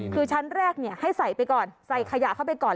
คือชั้นแรกให้ใส่ไปก่อนใส่ขยะเข้าไปก่อน